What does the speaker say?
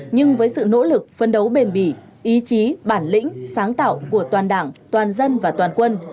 nhưng với sự nỗ lực phân đấu bền bỉ ý chí bản lĩnh sáng tạo của toàn đảng toàn dân và toàn quân